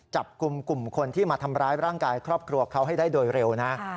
จับกลุ่มกลุ่มคนที่มาทำร้ายร่างกายครอบครัวเขาให้ได้โดยเร็วนะ